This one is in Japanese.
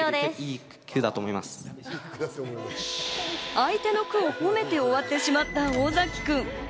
相手の句を褒めて終わってしまった尾崎君。